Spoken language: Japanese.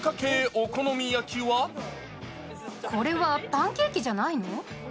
これはパンケーキじゃないの？